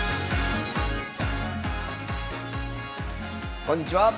こんにちは。